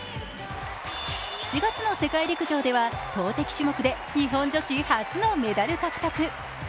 ７月の世界陸上では投てき種目で日本女子初のメダル獲得。